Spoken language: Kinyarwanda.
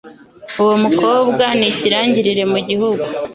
Uwo mukobwa nikirangirire mu gihugu